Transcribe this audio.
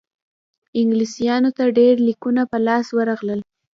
انګلیسیانو ته ډېر لیکونه په لاس ورغلل.